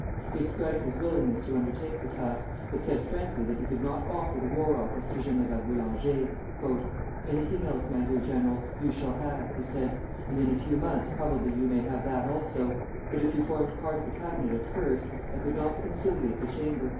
He expressed his willingness to undertake the task, but said frankly that he could not offer the War Office to General Boulanger. "Anything else, my dear general, you shall have," he said, "and in a few months probably you may have that also; but if you formed part of the Cabinet at first, I could not conciliate the Chamber.